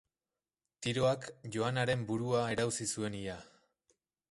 Tiroak Joanaren burua erauzi zuen ia.